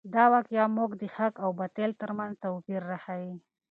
دا واقعه موږ ته د حق او باطل تر منځ توپیر راښیي.